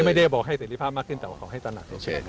ผมไม่ได้บอกให้เสรีภาพมากขึ้นแต่ก็ขอให้ท่านมาอาจจะผจญครับ